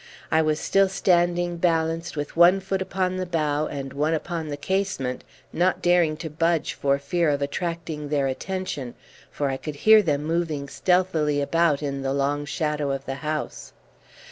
I was still standing balanced with one foot upon the bough and one upon the casement, not daring to budge for fear of attracting their attention, for I could hear them moving stealthily about in the long shadow of the house.